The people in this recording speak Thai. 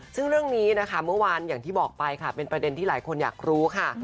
ซึ่งเรื่องนี้นะคะเมื่อวานอย่างที่บอกไปค่ะเป็นประเด็นที่หลายคนอยากรู้ค่ะ